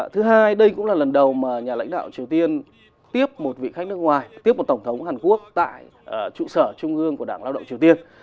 thứ hai đây cũng là lần đầu nhà lãnh đạo triều tiên tiếp một vị khách nước ngoài tiếp một tổng thống hàn quốc tại trụ sở trung ương của đảng lao động triều tiên